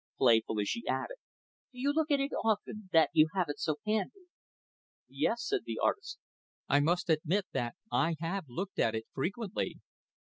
Playfully, she added, "Do you look at it often? that you have it so handy?" "Yes," said the artist, "I must admit that I have looked at it frequently."